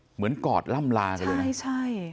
เหมือนกอดล่ำลากันเลยนะใช่